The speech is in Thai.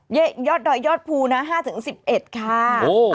เย๊ยอดพูนะ๕๑๑ค่ะโอ้โฮ